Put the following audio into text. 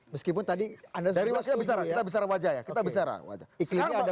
meskipun tadi anda sudah bilang seperti ini ya